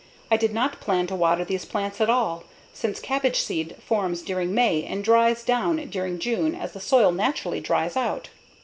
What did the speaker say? I did not plan to water these plants at all, since cabbage seed forms during May and dries down during June as the soil naturally dries out.